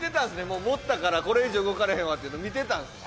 もう持ったからこれ以上動かれへんわっていうの見てたんですね。